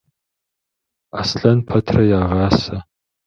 Аслъэн пэтрэ ягъасэ.